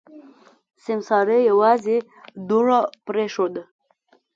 سيمسارې يوازې دوړه پرېښوده.